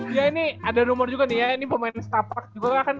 iya ini ada nomor juga nih ya ini pemain setapak juga kan